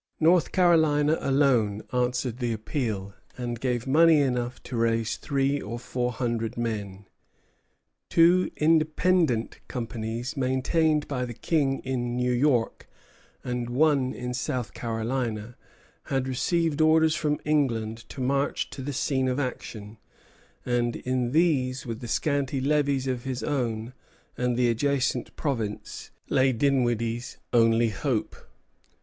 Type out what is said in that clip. North Carolina alone answered the appeal, and gave money enough to raise three or four hundred men. Two independent companies maintained by the King in New York, and one in South Carolina, had received orders from England to march to the scene of action; and in these, with the scanty levies of his own and the adjacent province, lay Dinwiddie's only hope.